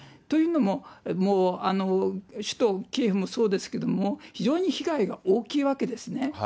というのも、もう首都キエフもそうですけれども、非常に被害が大きいわけですね。